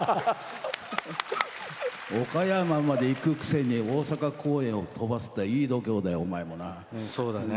岡山まで行くくせに大阪公演を飛ばすっていい度胸だよ、お前もな。